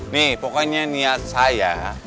nih pokoknya niat saya